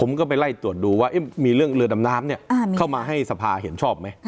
ผมก็ไปไล่ตรวจดูว่ามีเรื่องเรือดำน้ำเข้ามาให้สภาเห็นชอบไหม